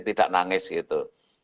tidak nangis gitu